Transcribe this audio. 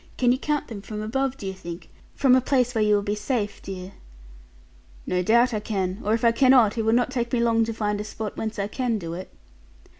Can you count them, from above, do you think? From a place where you will be safe, dear' 'No doubt, I can; or if I cannot, it will not take me long to find a spot, whence I can do it.'